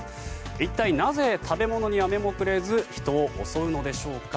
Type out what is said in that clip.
一体なぜ、食べ物には目もくれず人を襲うのでしょうか。